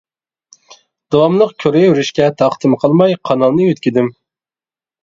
داۋاملىق كۆرۈۋېرىشكە تاقىتىم قالماي قانالنى يۆتكىدىم.